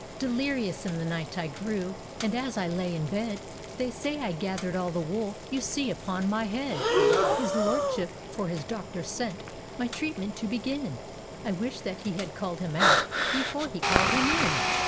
Delirious in the ni^t I grew. And as I lay in bed, They say I ga&ered all the wool You see upon my head. D,gt,, erihyGOO^IC Pompey's Ghost " His lordship for his doctor sent, My treatment to begin; I wish that he had called him out Before he called him in!